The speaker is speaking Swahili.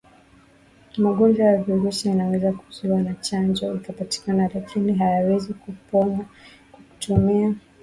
Magonjwa ya virusi yanaweza kuzuiwa na chanjo ikipatikana lakini hayawezi kuponywa kwa kutumia viuavijasumu